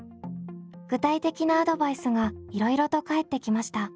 具体的なアドバイスがいろいろと返ってきました。